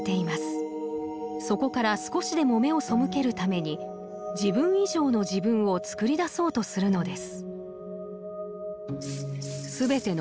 そこから少しでも目を背けるために自分以上の自分をつくり出そうとするのです。